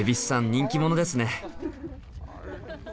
人気者ですね！